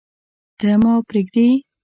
ته، ما پریږدې